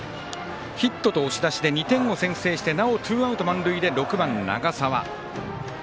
ヒットと押し出しで２点を先制してなおツーアウト満塁で６番、長澤。